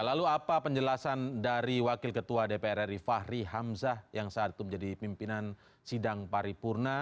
lalu apa penjelasan dari wakil ketua dpr ri fahri hamzah yang saat itu menjadi pimpinan sidang paripurna